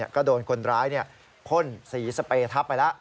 ก็โดนคนร้ายพ่นสีสเปรทับไปแล้ว